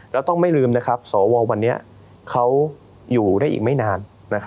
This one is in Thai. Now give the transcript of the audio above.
แล้วต้องไม่ลืมนะครับสววันนี้เขาอยู่ได้อีกไม่นาน